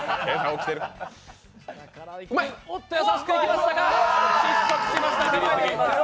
優しく置きましたが失速しました。